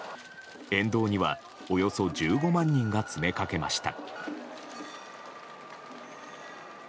沿道にはおよそ１５万人が詰めかけました。